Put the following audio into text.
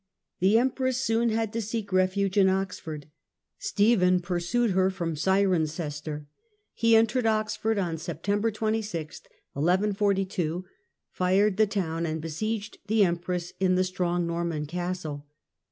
The empress soon had to seek refuge in Oxford. Stephen pursued her from Cirencester. He entered Oxford on September 26, 1 142, fired the town, and besieged the empress in the strong Norman castle.